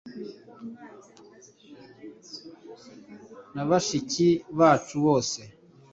na bashiki bacu bose